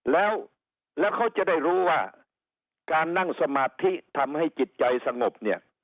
แล้วเขาจะได้รู้ว่าการนั่งสมาธิทำให้จิตใจสงบเนี่ย